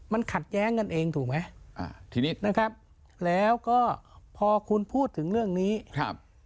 มันขัดแย้งกันเองถูกไหมอ่าทีนี้นะครับแล้วก็พอคุณพูดถึงเรื่องนี้ครับ